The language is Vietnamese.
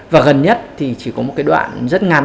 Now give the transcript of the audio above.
và gần nhất thì chỉ có một cái đoạn rất ngắn